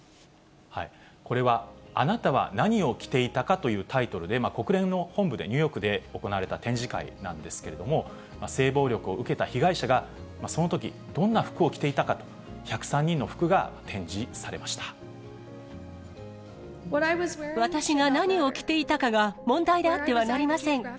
これは、あなたは何を着ていたかというタイトルで、国連の本部で、ニューヨークで行われた展示会なんですけれども、性暴力を受けた被害者が、そのときどんな服を着ていたかと、私が何を着ていたかが問題であってはなりません。